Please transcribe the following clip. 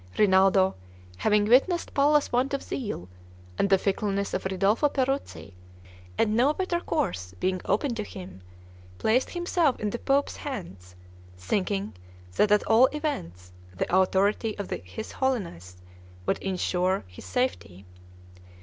Rinaldo, having witnessed Palla's want of zeal, and the fickleness of Ridolfo Peruzzi, and no better course being open to him, placed himself in the pope's hands, thinking that at all events the authority of his holiness would insure his safety.